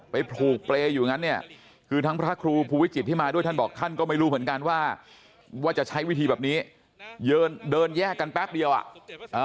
ไปผูกเปรย์อยู่อย่างนั้นเนี่ยคือทั้งพระครูภูวิจิตที่มาด้วยท่านบอกท่านก็ไม่รู้เหมือนกันว่าว่าจะใช้วิธีแบบนี้เดินเดินแยกกันแป๊บเดียวอ่ะอ่า